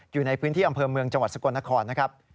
อยู่ในพื้นที่อำเภอเมืองจังหวัดสกลนครนะครับ